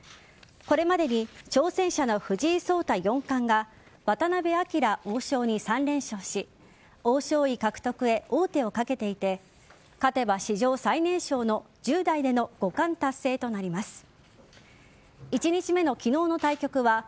これまでに挑戦者の藤井聡太四冠が渡辺明王将に３連勝し王将位獲得に王手をかけていて勝てば史上最年少の１０代での五冠達成となります。